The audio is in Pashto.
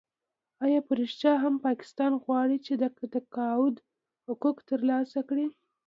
آیا په رښتیا هم پاکستان غواړي چې د تقاعد حقوق ترلاسه کړي؟